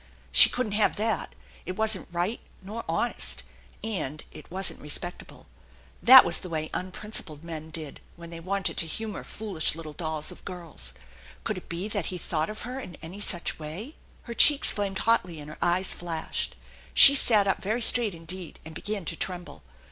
She couldn't have that. It wasn't right nor honest, and it wasn't respectable ! That was the way unprincipled men did when they wanted to humor foolish little dolls of girls. Could it be that he thought of her in any such way? Her cheeks flamed hotly and her eyes flashed. She sat up very straight indeed, and began to tremble.